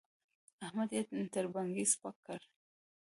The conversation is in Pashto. احمد يې تر بڼکې سپک کړ.